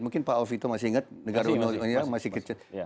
mungkin pak alvita masih ingat negara uni soviet masih kecil